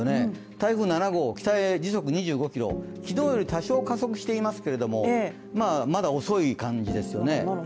台風７号、北へ時速２５キロ昨日よりも多少加速していますけれども、まだ遅い感じですよね。